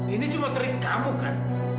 ini cuma trik kamu kan